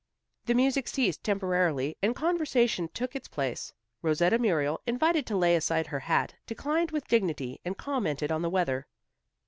The music ceased temporarily and conversation took its place. Rosetta Muriel, invited to lay aside her hat, declined with dignity and commented on the weather.